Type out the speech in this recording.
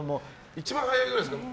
一番早いくらいですか？